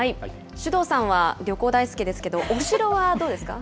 首藤さんは、旅行大好きですけど、お城はどうですか。